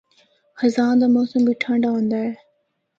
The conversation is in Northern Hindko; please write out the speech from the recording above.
خزاں دا موسم بھی ٹھنڈا ہوندا اے۔